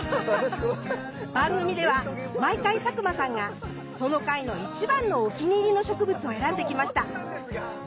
番組では毎回佐久間さんがその回の一番のお気に入りの植物を選んできました。